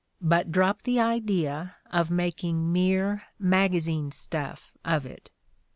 But drop the idea of making mere magazine stuff of it.